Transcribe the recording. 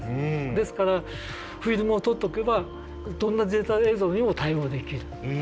ですからフィルムを取っとけばどんなデータ映像にも対応できる。